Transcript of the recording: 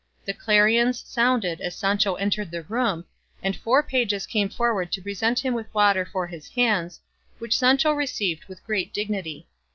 The clarions sounded as Sancho entered the room, and four pages came forward to present him with water for his hands, which Sancho received with great dignity.